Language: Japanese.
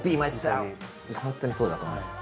本当にそうだと思います。